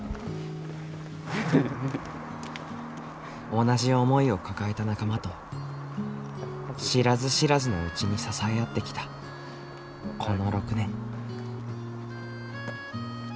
同じ思いを抱えた仲間と知らず知らずのうちに支え合ってきたこの６年。